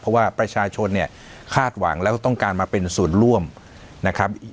เพราะว่าประชาชนเนี่ยคาดหวังแล้วก็ต้องการมาเป็นส่วนร่วมนะครับ